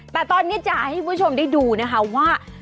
แต่ตอนนี้จะให้คุณผู้ชมได้ดูนะคะว่า